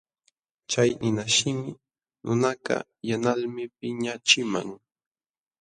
Chay ninashimi nunakaq yanqalmi piñaqchiman.